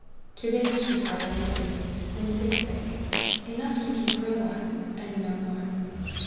To this she heartily agreed, and did beg enough to keep her alive, and no more.